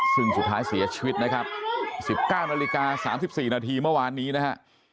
ซึ่งสุดท้ายเสียชีวิตนะครับ๑๙นาฬิกา๓๔นาทีเมื่อวานนี้นะฮะ